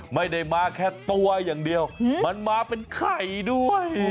ไม่ได้มาแค่ตัวอย่างเดียวมันมาเป็นไข่ด้วย